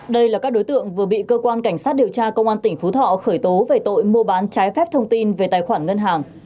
đây là các đối tượng vừa bị cơ quan cảnh sát điều tra công an tỉnh phú thọ khởi tố về tội mua bán trái phép thông tin về tài khoản ngân hàng